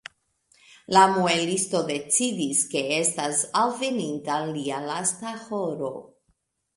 La muelisto decidis, ke estas alveninta lia lasta horo.